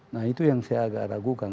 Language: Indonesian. nah itu yang saya agak ragukan